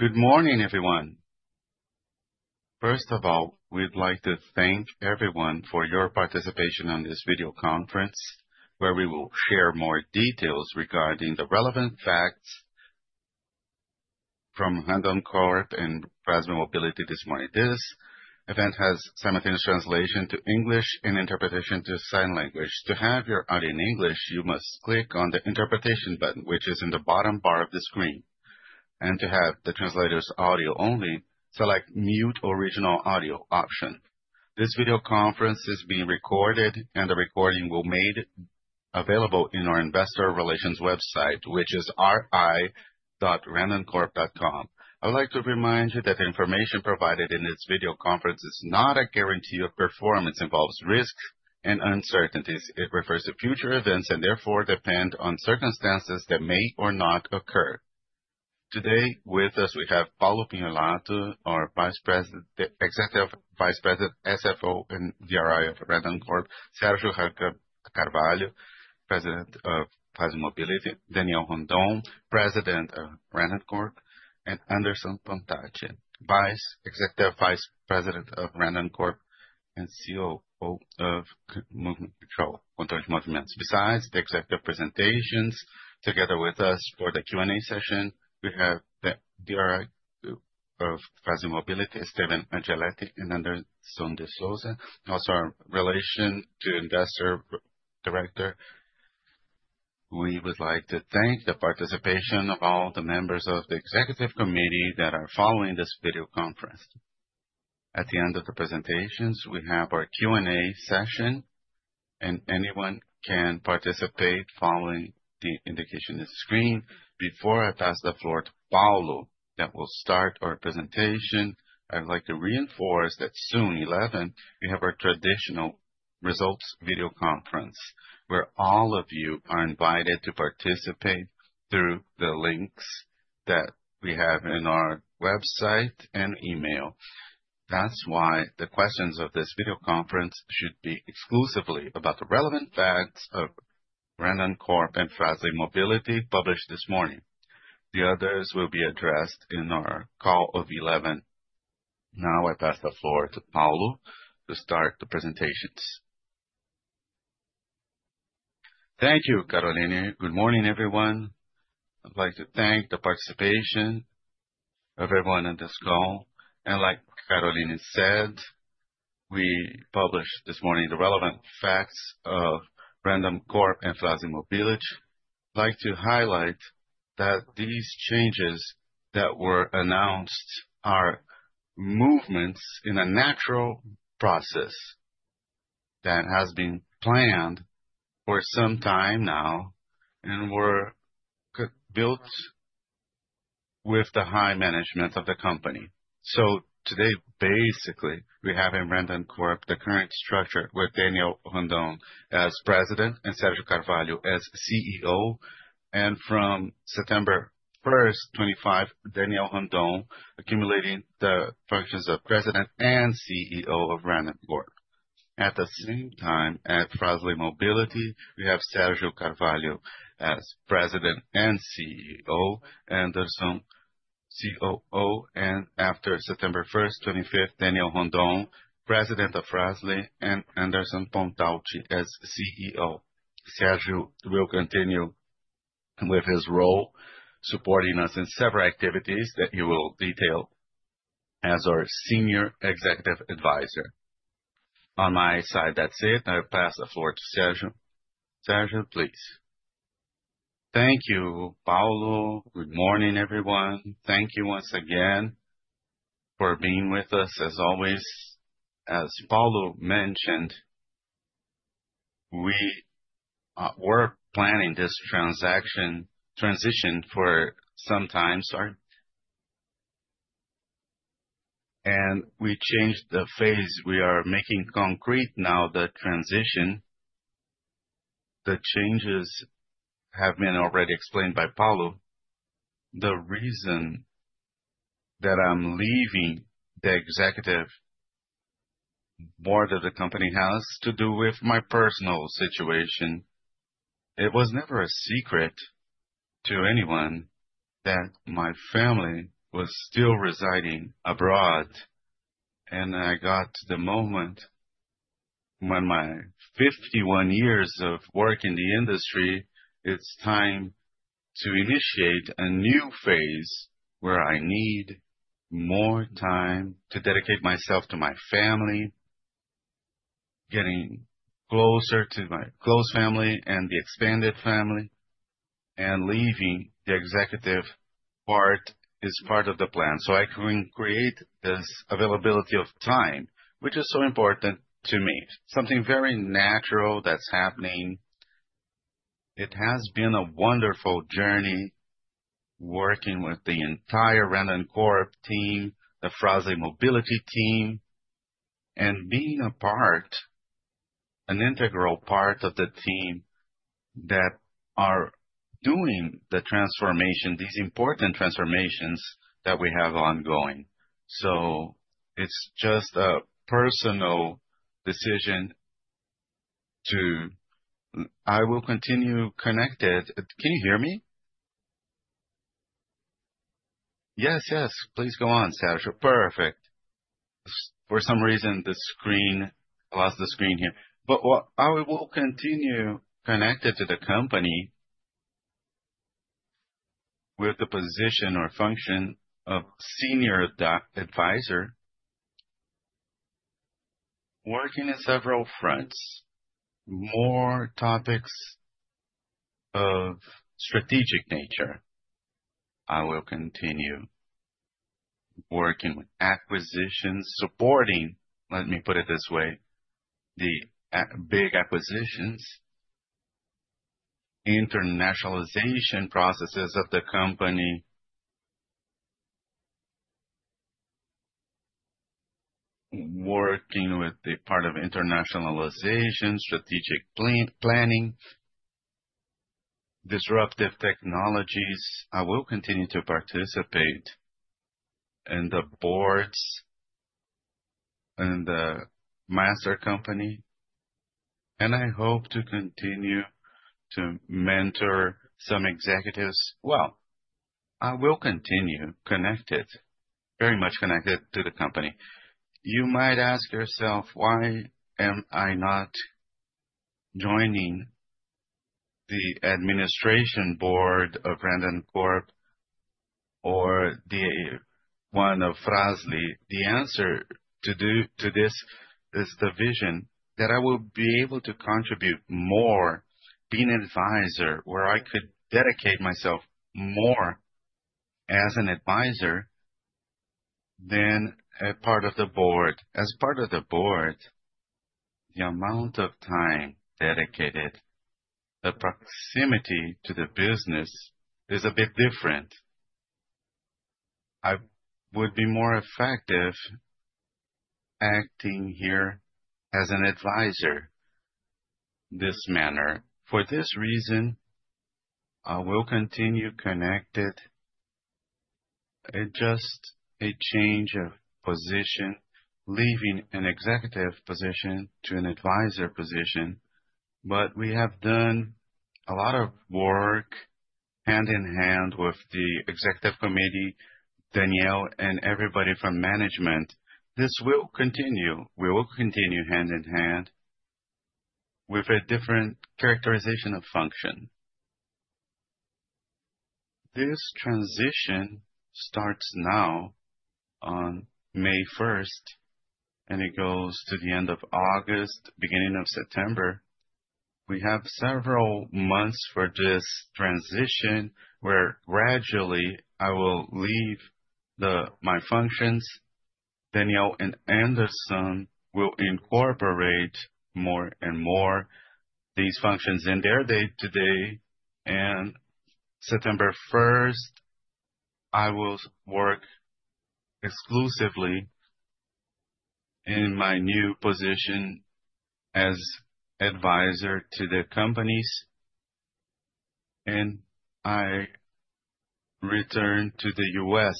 Good morning, everyone. First of all, we'd like to thank everyone for your participation in this video conference, where we will share more details regarding the relevant facts from Randon and Frasle Mobility this morning. This event has simultaneous translation to English and interpretation to sign language. To have your audio in English, you must click on the interpretation button, which is in the bottom bar of the screen. To have the translator's audio only, select the mute original audio option. This video conference is being recorded, and the recording will be made available on our investor relations website, which is ri.randon.com. I would like to remind you that the information provided in this video conference is not a guarantee of performance. It involves risks and uncertainties. It refers to future events and therefore depends on circumstances that may or may not occur. Today, with us, we have Paulo Prignolato, our Vice President, Executive Vice President, CFO and head of investor relations of Randon; Sergio Carvalho, President of Frasle Mobility; Daniel Randon, President of Randon; and Anderson Pontes, Vice President of Randon and COO of Movement Control. Controle de Movimentos. Besides the executive presentations, together with us for the Q&A session, we have the head of investor relations of Frasle Mobility, Esteban Angeletti, and Hemerson de Souza. Also, our investor relations director. We would like to thank the participation of all the members of the executive committee that are following this video conference. At the end of the presentations, we have our Q&A session, and anyone can participate following the indication on the screen. Before I pass the floor to Paulo that will start our presentation, I'd like to reinforce that soon, 11:00 A.M., we have our traditional results video conference, where all of you are invited to participate through the links that we have on our website and email. That's why the questions of this video conference should be exclusively about the relevant facts of Randon and Frasle Mobility published this morning. The others will be addressed in our call of 11:00 A.M. Now, I pass the floor to Paulo to start the presentations. Thank you, Caroline. Good morning, everyone. I'd like to thank the participation of everyone on this call. Like Caroline said, we published this morning the relevant facts of Randon and Frasle Mobility. I'd like to highlight that these changes that were announced are movements in a natural process that has been planned for some time now and were built with the high management of the company. Today, basically, we have in Randon the current structure with Daniel Randon as President and Sergio Carvalho as CEO. From September 1st, 2025, Daniel Randon accumulating the functions of President and CEO of Randon. At the same time, at Frasle Mobility, we have Sergio Carvalho as President and CEO, Anderson COO. After September 1, 2025, Daniel Randon, President of PRASMA, and Anderson Pontes as CEO. Sergio will continue with his role supporting us in several activities that he will detail as our Senior Executive Advisor. On my side, that's it. I pass the floor to Sergio. Sergio, please. Thank you, Paulo. Good morning, everyone. Thank you once again for being with us, as always. As Paulo mentioned, we were planning this transition for some time, and we changed the phase. We are making concrete now the transition. The changes have been already explained by Paulo. The reason that I'm leaving the executive board of the company has to do with my personal situation. It was never a secret to anyone that my family was still residing abroad, and I got to the moment when my 51 years of work in the industry, it's time to initiate a new phase where I need more time to dedicate myself to my family, getting closer to my close family and the expanded family, and leaving the executive part is part of the plan. I can create this availability of time, which is so important to me, something very natural that's happening. It has been a wonderful journey working with the entire Randon team, the Frasle Mobility team, and being an integral part of the team that are doing the transformation, these important transformations that we have ongoing. It is just a personal decision to. I will continue connected. Can you hear me? Yes, yes. Please go on, Sergio. Perfect. For some reason, the screen lost the screen here. I will continue connected to the company with the position or function of Senior Executive Advisor working in several fronts, more topics of strategic nature. I will continue working with acquisitions, supporting, let me put it this way, the big acquisitions, internationalization processes of the company, working with the part of internationalization, strategic planning, disruptive technologies. I will continue to participate in the boards and the Master company, and I hope to continue to mentor some executives. I will continue connected, very much connected to the company. You might ask yourself, why am I not joining the administration board of Randon or one of Frasle? The answer to this is the vision that I will be able to contribute more, being an advisor, where I could dedicate myself more as an advisor than a part of the board. As part of the board, the amount of time dedicated, the proximity to the business is a bit different. I would be more effective acting here as an advisor in this manner. For this reason, I will continue connected. It's just a change of position, leaving an executive position to an advisor position. We have done a lot of work hand-in-hand with the executive committee, Daniel, and everybody from management. This will continue. We will continue hand in hand with a different characterization of function. This transition starts now on May 1st, and it goes to the end of August, beginning of September. We have several months for this transition where gradually I will leave my functions. Daniel and Anderson will incorporate more and more of these functions in their day-to-day. On September 1st, I will work exclusively in my new position as advisor to the companies, and I return to the U.S.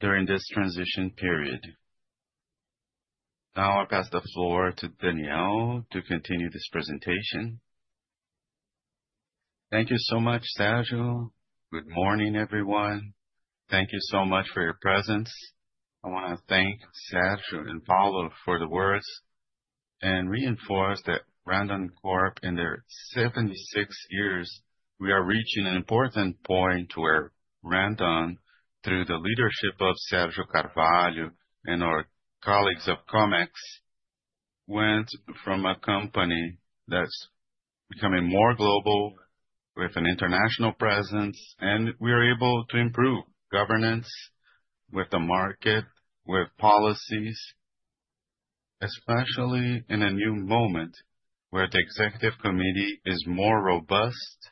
during this transition period. Now, I pass the floor to Daniel to continue this presentation. Thank you so much, Sergio. Good morning, everyone. Thank you so much for your presence. I want to thank Sergio and Paulo for the words and reinforce that Randon, in their 76 years, we are reaching an important point where Randon, through the leadership of Sergio Carvalho and our colleagues of COMEX, went from a company that's becoming more global with an international presence, and we are able to improve governance with the market, with policies, especially in a new moment where the executive committee is more robust.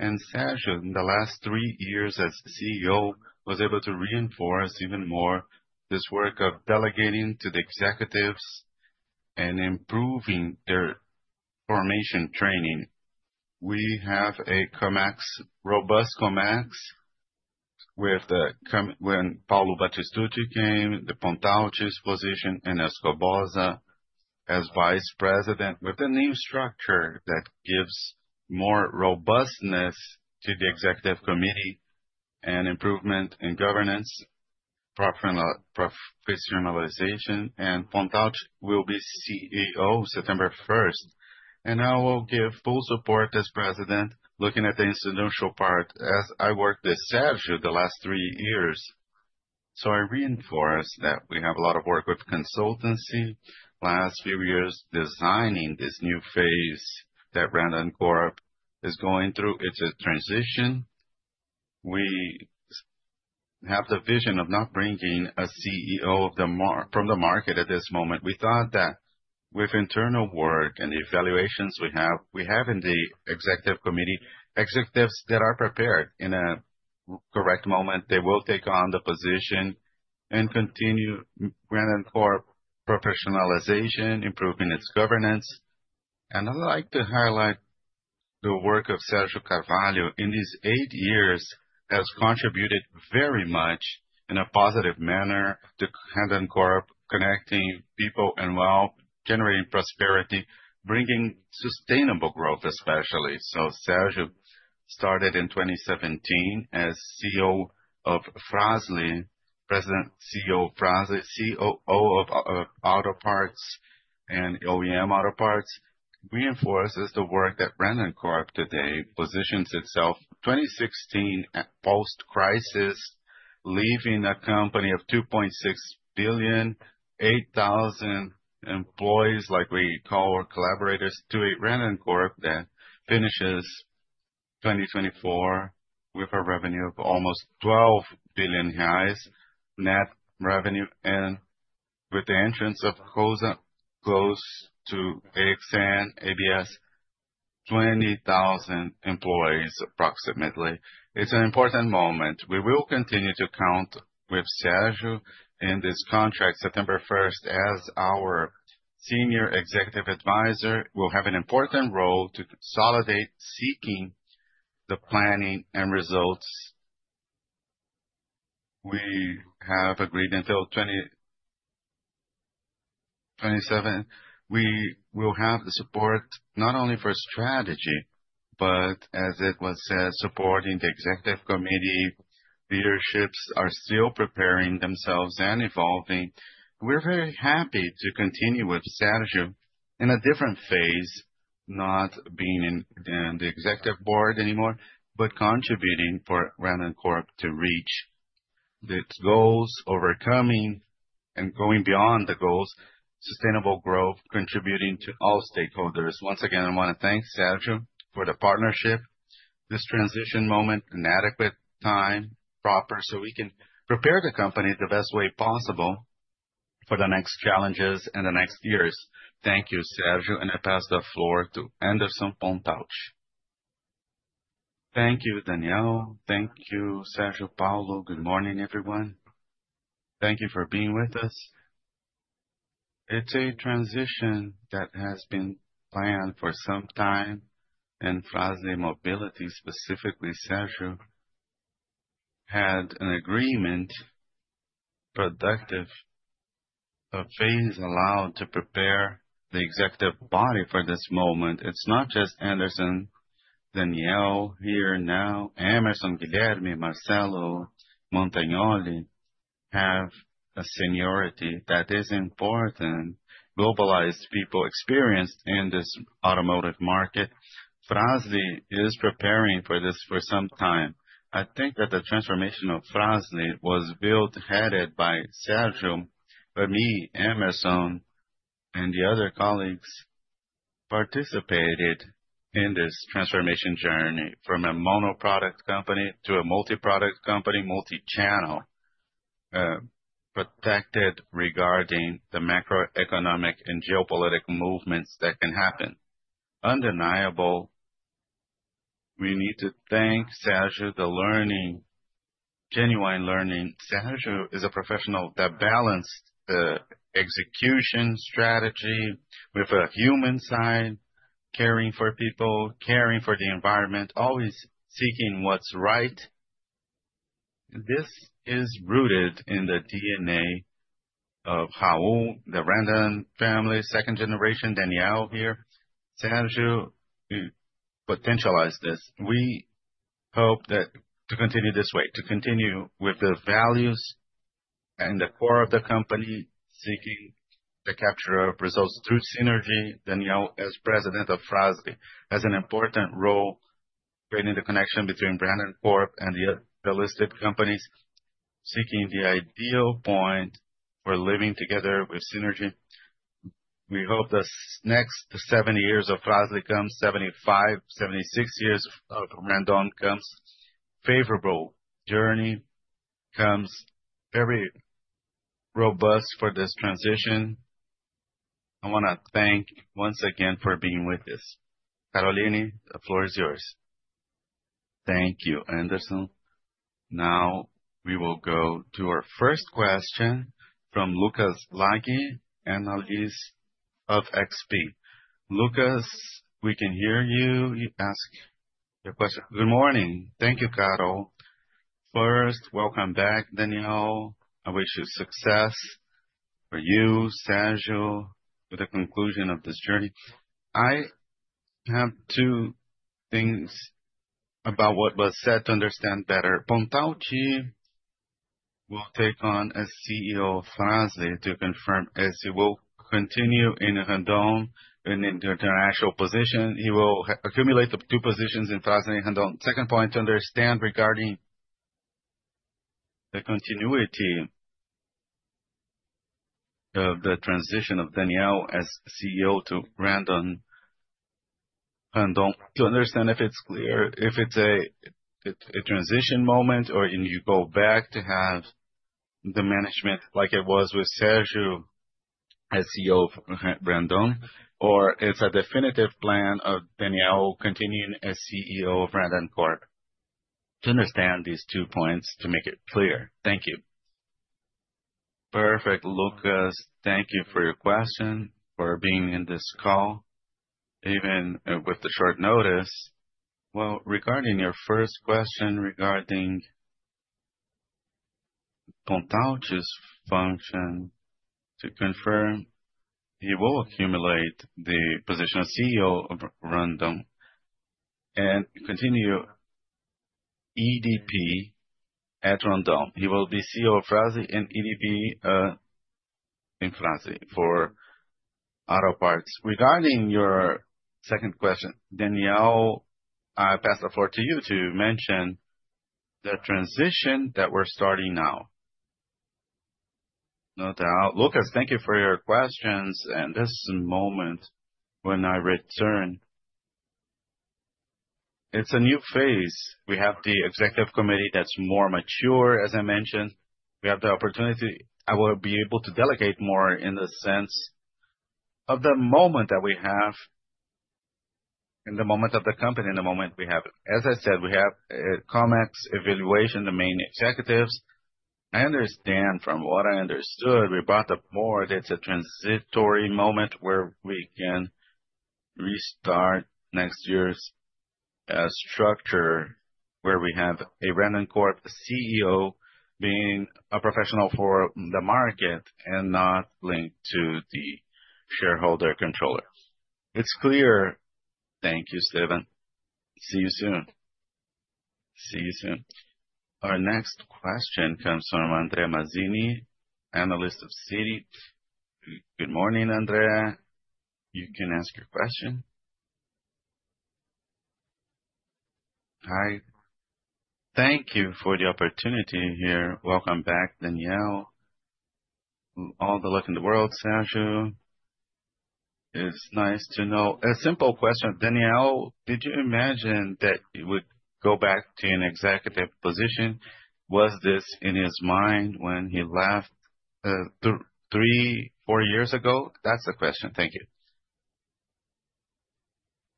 Sergio, in the last three years as CEO, was able to reinforce even more this work of delegating to the executives and improving their formation training. We have a robust COMEX with, when Paulo Batistucci came, the Pontes's position, and Escoboza as Vice President, with a new structure that gives more robustness to the executive committee and improvement in governance, professionalization. Pontes will be CEO September 1st, and I will give full support as President, looking at the institutional part as I worked with Sergio the last three years. I reinforce that we have a lot of work with consultancy the last few years, designing this new phase that Randoncorp is going through. It is a transition. We have the vision of not bringing a CEO from the market at this moment. We thought that with internal work and the evaluations we have, we have in the executive committee executives that are prepared in a correct moment. They will take on the position and continue Randoncorp professionalization, improving its governance. I would like to highlight the work of Sergio Carvalho in these eight years has contributed very much in a positive manner to Randoncorp, connecting people and while generating prosperity, bringing sustainable growth, especially. Sergio started in 2017 as CEO of Frasle, President, CEO of PRASMA, COO of Auto Parts and OEM Auto Parts, reinforces the work that Randon today positions itself in 2016 post-crisis, leaving a company of 2.6 billion, 8,000 employees, like we call our collaborators, to a Randon that finishes 2024 with a revenue of almost 12 billion reais revenue. With the entrance of close to AXA and ABS, 20,000 employees approximately. It is an important moment. We will continue to count with Sergio in this contract September 1st as our Senior Executive Advisor. He will have an important role to consolidate seeking the planning and results. We have agreed until 2027. We will have the support not only for strategy, but as it was said, supporting the executive committee. Leaderships are still preparing themselves and evolving. We're very happy to continue with Sergio in a different phase, not being in the executive board anymore, but contributing for Randoncorp to reach its goals, overcoming and going beyond the goals, sustainable growth, contributing to all stakeholders. Once again, I want to thank Sergio for the partnership, this transition moment, an adequate time. Proper so we can prepare the company the best way possible for the next challenges and the next years. Thank you, Sergio, and I pass the floor to Anderson Pontes. Thank you, Daniel. Thank you, Sergio, Paulo. Good morning, everyone. Thank you for being with us. It's a transition that has been planned for some time in Frasle Mobility, specifically Sergio had an agreement productive of phase allowed to prepare the executive body for this moment. It's not just Anderson, Daniel here now, Anderson, Guilherme, Marcelo, Montagnoli have a seniority that is important, globalized people experienced in this automotive market. Frasle is preparing for this for some time. I think that the transformation of Frasle was built headed by Sergio, but me, Anderson, and the other colleagues participated in this transformation journey from a monoproduct company to a multi-product company, multi-channel, protected regarding the macroeconomic and geopolitical movements that can happen. Undeniable, we need to thank Sergio, the learning, genuine learning. Sergio is a professional that balanced the execution strategy with a human side, caring for people, caring for the environment, always seeking what's right. This is rooted in the DNA of how the Randon family, second generation, Daniel here, Sergio potentialized this. We hope to continue this way, to continue with the values and the core of the company seeking the capture of results through synergy. Daniel Randon, as President of Frasle, has an important role creating the connection between Randon and the realistic companies, seeking the ideal point for living together with synergy. We hope the next 70 years of Frasle comes, 75 years, 76 years of Randon comes, favorable journey comes, very robust for this transition. I want to thank once again for being with us. Caroline, the floor is yours. Thank you, Anderson. Now we will go to our first question from Lucas Laghi analyst of XP. Lucas, we can hear you. You ask your question. Good morning. Thank you, Caroline. First, welcome back, Daniel. I wish you success for you, Sergio, with the conclusion of this journey. I have two things about what was said to understand better. Pontes will take on as CEO of Frasle to confirm as he will continue in Randon in an international position. He will accumulate the two positions in Frasle and Randon. Second point to understand regarding the continuity of the transition of Daniel as CEO to Randon to understand if it's clear if it's a transition moment or you go back to have the management like it was with Sergio as CEO of Randon, or it's a definitive plan of Daniel continuing as CEO of Randoncorp. To understand these two points to make it clear. Thank you. Perfect, Lucas. Thank you for your question, for being in this call, even with the short notice. Regarding your first question regarding Pontes's function, to confirm he will accumulate the position of CEO of Randon and continue EVP at Randon. He will be CEO of Frasle and EVP in Frasle for auto parts. Regarding your second question, Daniel, I pass the floor to you to mention the transition that we're starting now. Lucas, thank you for your questions and this moment when I return. It's a new phase. We have the executive committee that's more mature, as I mentioned. We have the opportunity. I will be able to delegate more in the sense of the moment that we have in the moment of the company, in the moment we have. As I said, we have COMEX evaluation, the main executives. I understand from what I understood, we brought up more that it's a transitory moment where we can restart next year's structure where we have a Randoncorp CEO being a professional for the market and not linked to the shareholder controller. It's clear. Thank you, Sergio. See you soon. See you soon. Our next question comes from André Mazini, analyst of Citi. Good morning, André. You can ask your question. Hi. Thank you for the opportunity here. Welcome back, Daniel. All the luck in the world, Sergio. It's nice to know. A simple question. Daniel, did you imagine that he would go back to an executive position? Was this in his mind when he left three, four years ago? That's the question. Thank you.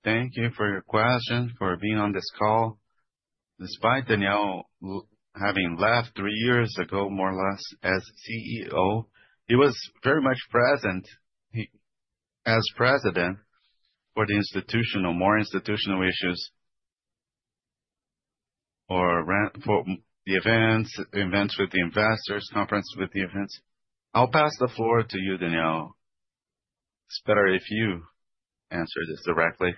Thank you for your question, for being on this call. Despite Daniel having left three years ago, more or less as CEO, he was very much present as president for the institutional, more institutional issues or for the events, events with the investors, conference with the events. I'll pass the floor to you, Daniel. It's better if you answer this directly.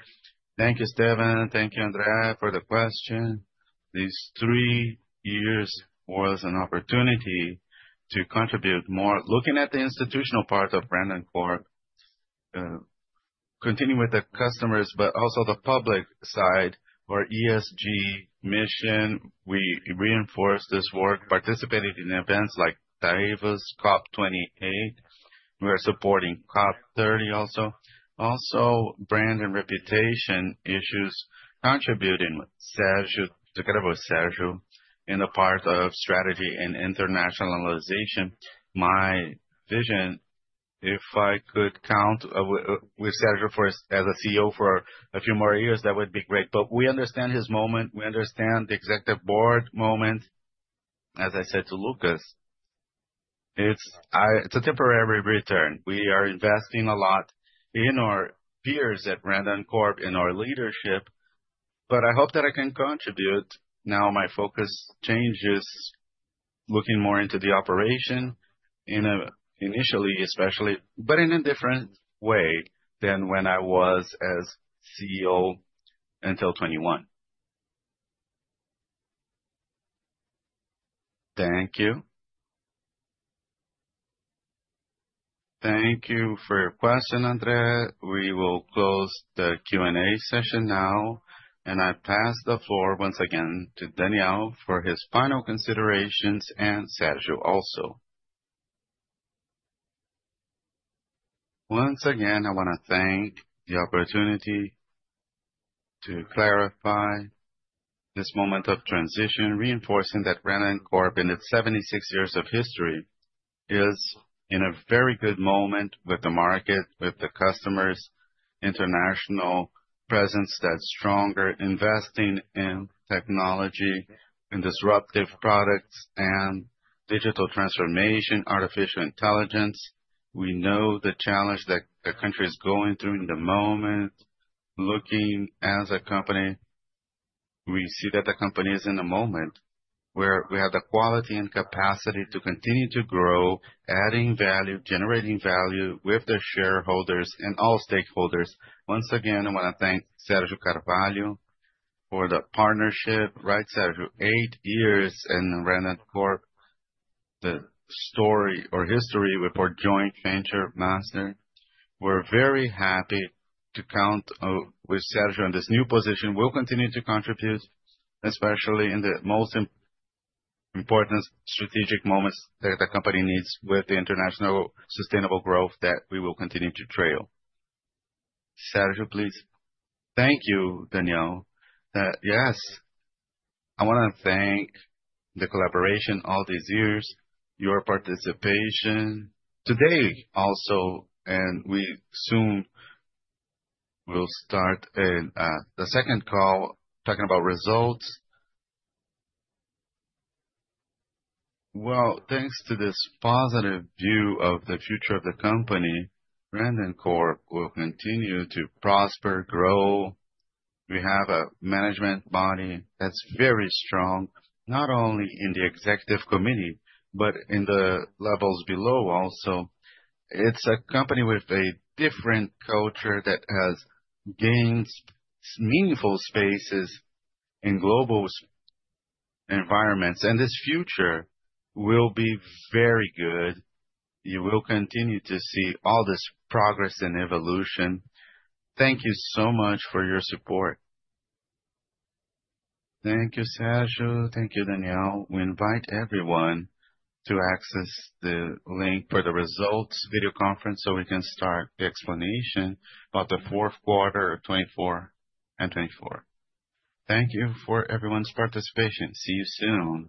Thank you, Sergio. Thank you, André, for the question. These three years were an opportunity to contribute more, looking at the institutional part of Randon, continue with the customers, but also the public side or ESG mission. We reinforced this work, participated in events like Davos COP28. We are supporting COP30 also. Also, brand and reputation issues contributing with Sergio, together with Sergio in the part of strategy and internationalization. My vision, if I could count with Sergio as a CEO for a few more years, that would be great. We understand his moment. We understand the executive board moment. As I said to Lucas, it's a temporary return. We are investing a lot in our peers at Randoncorp, in our leadership, but I hope that I can contribute. Now my focus changes, looking more into the operation initially, especially, but in a different way than when I was as CEO until 2021. Thank you. Thank you for your question, André. We will close the Q&A session now, and I pass the floor once again to Daniel Randon for his final considerations and Sergio also. Once again, I want to thank the opportunity to clarify this moment of transition, reinforcing that Randoncorp, in its 76 years of history, is in a very good moment with the market, with the customers, international presence that's stronger, investing in technology, in disruptive products and digital transformation, artificial intelligence. We know the challenge that the country is going through in the moment, looking as a company. We see that the company is in a moment where we have the quality and capacity to continue to grow, adding value, generating value with the shareholders and all stakeholders. Once again, I want to thank Sergio Carvalho for the partnership, right, Sergio? Eight years in Randoncorp, the story or history with our joint venture master. We are very happy to count with Sergio in this new position. We will continue to contribute, especially in the most important strategic moments that the company needs with the international sustainable growth that we will continue to trail. Sergio, please. Thank you, Daniel. Yes. I want to thank the collaboration all these years, your participation today also, and we soon will start the second call talking about results. Thanks to this positive view of the future of the company, Randoncorp will continue to prosper, grow. We have a management body that is very strong, not only in the executive committee, but in the levels below also. It is a company with a different culture that has gained meaningful spaces in global environments, and this future will be very good. You will continue to see all this progress and evolution. Thank you so much for your support. Thank you, Sergio. Thank you, Daniel. We invite everyone to access the link for the results video conference so we can start the explanation about the fourth quarter of 2024 and 2024. Thank you for everyone's participation. See you soon.